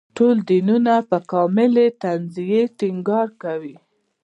ټول دینونه پر کاملې تنزیې ټینګار کوي.